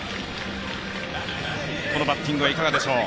このバッティングはいかがでしょう？